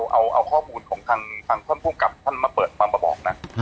เอาข้อมูลของทางท่านภูมิกับท่านมาเปิดความมาบอกนะ